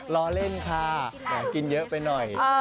ล้อเล่นค่ะกินเยอะไปหน่อย